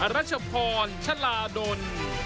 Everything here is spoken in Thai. รัชพรชะลาดล